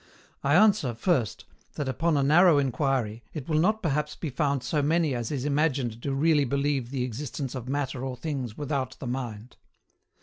I answer, FIRST, that, upon a narrow inquiry, it will not perhaps be found so many as is imagined do really believe the existence of Matter or things without the mind.